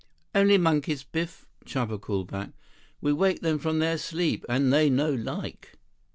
"Only monkeys, Biff," Chuba called back. "We wake them from their sleep, and they no like.